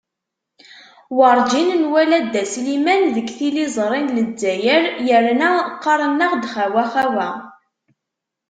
Werǧin nwala dda Sliman deg tiliẓri n Lezzayer, yerna qqaren-aɣ-d "xawa-xawa"!